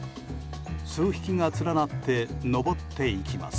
数匹が連なって上っていきます。